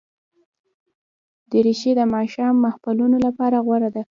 دریشي د ماښام محفلونو لپاره غوره ده.